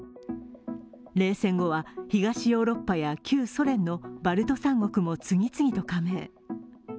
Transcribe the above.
冷戦後は東ヨーロッパや旧ソ連のバルト三国も次々と加盟。